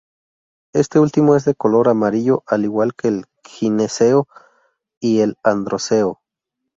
Este último es de color amarillo, al igual que el gineceo y el androceo.